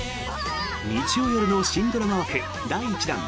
日曜の夜の新ドラマ枠第１弾。